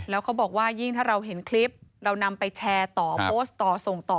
แล้วเขาบอกว่ายิ่งถ้าเราเห็นคลิปเรานำไปแชร์ต่อโพสต์ต่อส่งต่อ